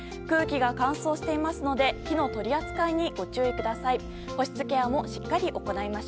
空気が乾燥していますので火の取り扱いにご注意ください。